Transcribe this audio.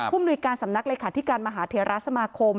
มนุยการสำนักเลขาธิการมหาเทราสมาคม